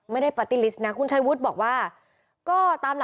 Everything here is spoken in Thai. ไม่ได้ใช่ไหม